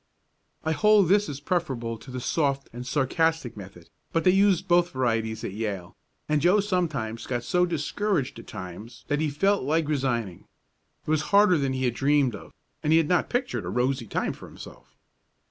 I hold this is preferable to the soft and sarcastic method, but they used both varieties at Yale, and Joe sometimes got so discouraged at times that he felt like resigning. It was harder than he had dreamed of, and he had not pictured a rosy time for himself.